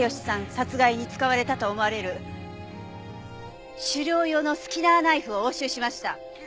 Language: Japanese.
殺害に使われたと思われる狩猟用のスキナーナイフを押収しました。